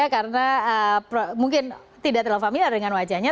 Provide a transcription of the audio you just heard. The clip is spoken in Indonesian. karena mungkin tidak terlalu familiar dengan wajahnya